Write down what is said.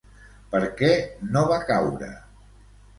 Per què no va caure?